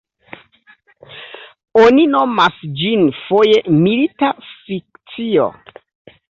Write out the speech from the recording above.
Oni nomas ĝin foje milita fikcio.